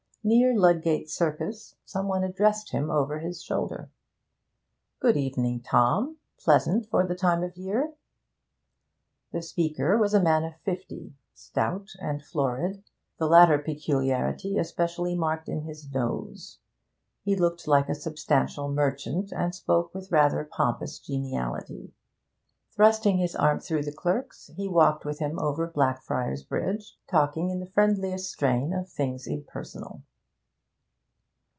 Near Ludgate Circus some one addressed him over his shoulder. 'Good evening, Tom; pleasant for the time of year.' The speaker was a man of fifty, stout and florid the latter peculiarity especially marked in his nose; he looked like a substantial merchant, and spoke with rather pompous geniality. Thrusting his arm through the clerk's, he walked with him over Blackfriars Bridge, talking in the friendliest strain of things impersonal.